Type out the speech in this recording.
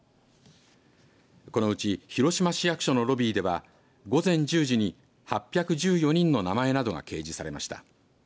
このうち広島市役所のロビーでは午前１０時に８１４人の名前などが掲示されました。